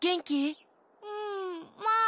うんまあ。